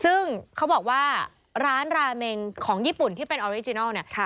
ซึ่งเขาบอกว่าร้านราเมงของญี่ปุ่นที่เป็นสนุก